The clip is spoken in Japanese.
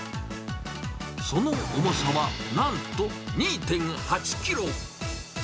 その重さは、なんと２．８キロ。